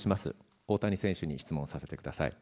大谷選手に質問させてください。